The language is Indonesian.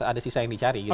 ada sisa yang dicari gitu